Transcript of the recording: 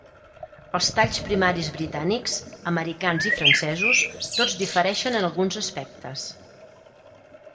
Els talls primaris britànics, americans i francesos tots difereixen en alguns aspectes.